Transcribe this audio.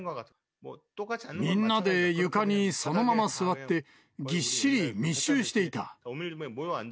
みんなで床にそのまま座って、ぎっしり密集していた。